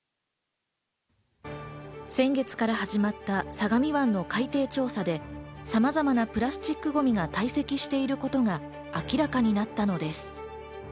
先月から始まった相模湾の海底調査でさまざまなプラスチックゴミが堆積していることが明らかになったのです。